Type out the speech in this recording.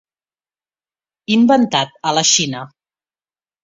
Inventat a la Xina.